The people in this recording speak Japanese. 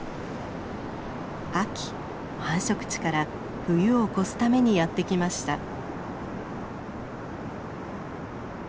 秋繁殖地から冬を越すためにやって来ました。